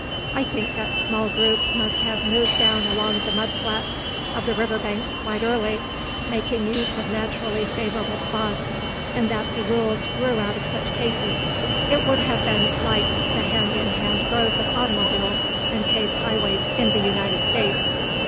I think that small groups must have moved down along the mud flats of the river banks quite early, making use of naturally favorable spots, and that the rules grew out of such cases. It would have been like the hand in hand growth of automobiles and paved highways in the United States.